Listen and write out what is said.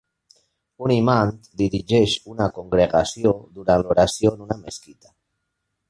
Un imant dirigeix una congregació durant l'oració en una mesquita.